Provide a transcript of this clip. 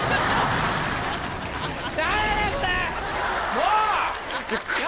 もう！